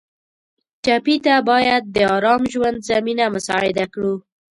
ټپي ته باید د ارام ژوند زمینه مساعده کړو.